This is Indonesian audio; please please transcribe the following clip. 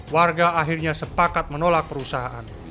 warga akhirnya sepakat menolak perusahaan